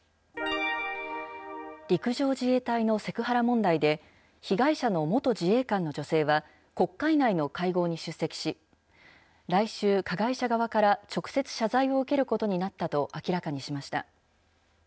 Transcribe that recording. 陸上自衛隊のセクハラ問題で、被害者の元自衛官の女性は、国会内の会合に出席し、来週、加害者側から直接謝罪を受けることになったと明らかにしました。